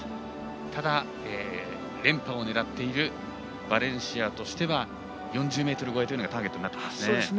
ただ、連覇を狙っているバレンシアとしては４０ｍ超えというのがターゲットになってきますね。